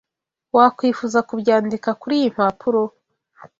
Wakwifuza kubyandika kuriyi mpapuro?